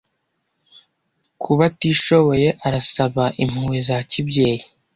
Kuba atishoboye arasaba impuhwe za kibyeyi.